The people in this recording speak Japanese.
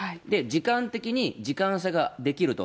時間的に、時間差ができると。